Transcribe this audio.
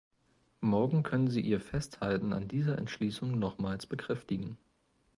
Morgen können Sie Ihr Festhalten an dieser Entschließung nochmals bekräftigen.